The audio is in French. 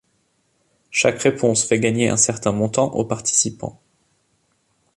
Chaque réponse fait gagner un certain montant aux participants.